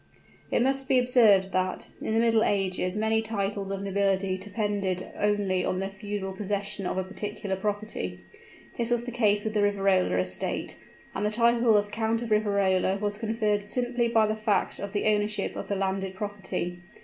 It must be observed that, in the middle ages many titles of nobility depended only on the feudal possession of a particular property. This was the case with the Riverola estates; and the title of Count of Riverola was conferred simply by the fact of the ownership of the landed property.